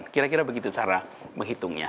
kira kira begitu cara menghitungnya